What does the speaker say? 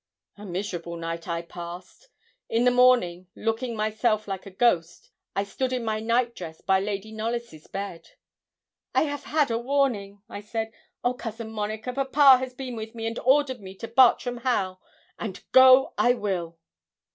A miserable night I passed. In the morning, looking myself like a ghost, I stood in my night dress by Lady Knollys' bed. 'I have had my warning,' I said. 'Oh, Cousin Monica, papa has been with me, and ordered me to Bartram Haugh; and go I will.'